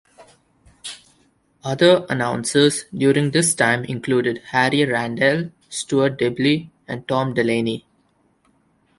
Other announcers during this time included Harry Randall, Stuart Dibbley and Tom Delaney.